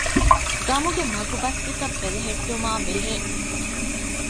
ގަމުގެ މަގުބައްތިތައް ބެލެހެއްޓުމާ ބެހޭ